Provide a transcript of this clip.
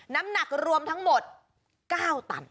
น้ำหนักรวมทั้งหมด๙ตัน